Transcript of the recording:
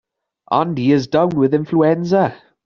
Andy is down with influenza.